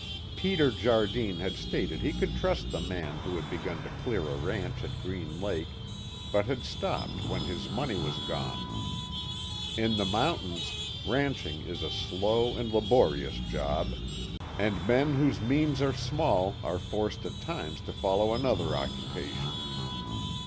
Peter Jardine had stated he could trust the man, who had begun to clear a ranch at Green Lake but had stopped when his money was gone. In the mountains, ranching is a slow and laborious job, and men whose means are small are forced at times to follow another occupation.